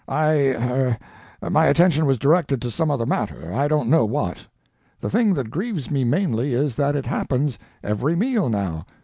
I—er—my attention was directed to some other matter, I don't know what. The thing that grieves me mainly is, that it happens every meal now.